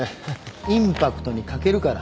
インパクトに欠けるから。